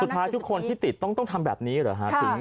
สุดท้ายทุกคนที่ติดต้องทำแบบนี้หรือครับ